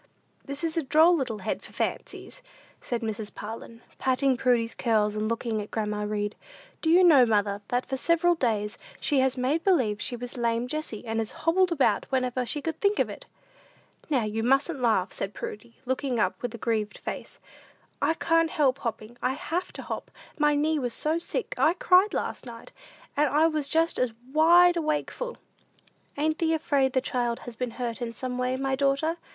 "This is a droll little head for fancies," said Mrs. Parlin, patting Prudy's curls, and looking at grandma Read. "Do you know, mother, that for several days she has made believe she was lame Jessie, and has hobbled about whenever she could think of it." "Now you mustn't laugh," said Prudy, looking up with a grieved face; I can't never help hopping; I have to hop. My knee was so sick, I cried last night, and I was just as wide awakeful!" "Ain't thee afraid the child has been hurt in some way, my daughter?"